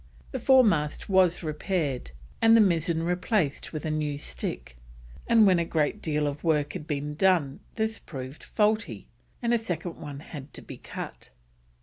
The fore mast was repaired and the mizzen replaced with a new stick, and when a great deal of work had been done this proved faulty, and a second one had to be cut.